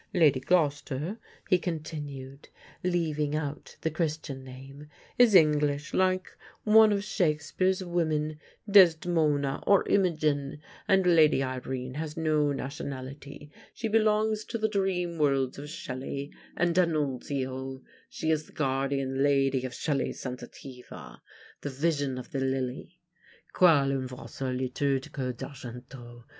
Lady Gloucester," he continued, leaving out the Christian name, "is English, like one of Shakespeare's women, Desdemona or Imogen; and Lady Irene has no nationality, she belongs to the dream worlds of Shelley and D'Annunzio: she is the guardian Lady of Shelley's 'Sensitiva,' the vision of the lily. 'Quale un vaso liturgico d'argento.